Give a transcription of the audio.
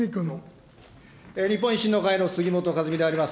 日本維新の会の杉本和巳であります。